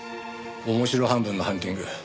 面白半分のハンティング。